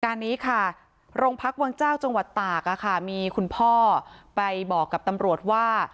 การนี้ค่ะโรงพักวังเจ้าจังหวัดตากมีคุณพ่อไปบอกกับตำรวจว่า